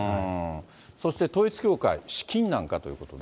そして統一教会、資金難かということで。